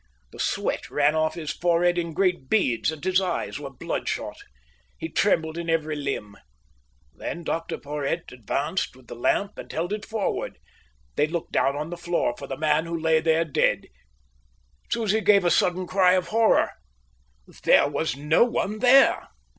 The sweat ran off his forehead in great beads, and his eyes were bloodshot. He trembled in every limb. Then Dr Porhoët advanced with the lamp and held it forward. They looked down on the floor for the man who lay there dead. Susie gave a sudden cry of horror. There was no one there.